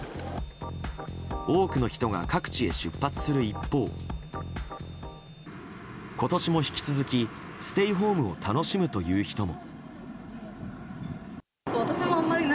多くの人が各地に出発する一方今年も引き続きステイホームを楽しむという人も。